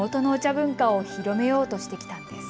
文化を広めようとしてきたんです。